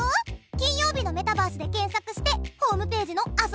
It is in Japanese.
「金曜日のメタバース」で検索してホームページの「遊びに行く」